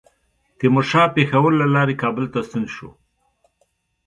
تیمورشاه پېښور له لارې کابل ته ستون شو.